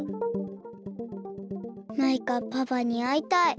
マイカパパにあいたい。